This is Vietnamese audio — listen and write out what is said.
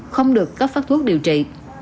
không được có phát thuốc điều trị